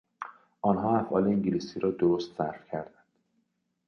آنها افعال انگلیسی را درست صرف کردند.